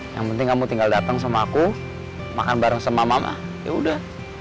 yang penting kamu tinggal dateng sama aku makan bareng sama mama yaudah